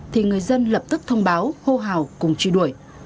thì người dân lập tức thông báo hô hào